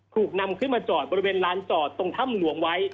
ถูกนำขึ้นมาจอดบริเวณลานจอดตรงถ้ำหลวงไว้